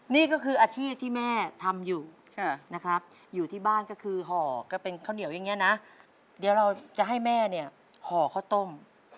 นี่ก็คืออาชีพที่แม่ทำอยู่นะครับอยู่ที่บ้านก็คือห่อก็เป็นข้าวเหนียวอย่างนี้นะเดี๋ยวเราจะให้แม่เนี่ยห่อข้าวต้ม